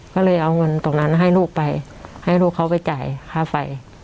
ก็เลยเอาเงินตรงนั้นให้ลูกไปให้ลูกเขาไปจ่ายค่าไฟ